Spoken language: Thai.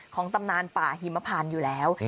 ตำนานป่าหิมพานอยู่แล้ว